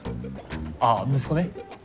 ああ息子ね。